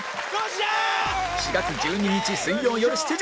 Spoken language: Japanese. ４月１２日水曜よる７時